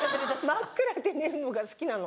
真っ暗で寝るのが好きなの。